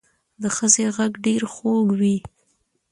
د ښځې غږ ډېر خوږ وي